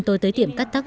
tôi tới tiệm cắt tóc